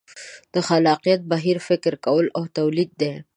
د خلاقیت بهیر فکر کول او تولید دي.